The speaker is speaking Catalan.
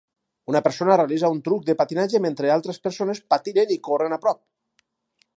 Una persona realitza un truc de patinatge mentre altres persones patinen i corren a prop.